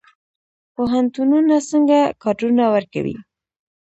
پوهنتونونه څنګه کادرونه ورکوي؟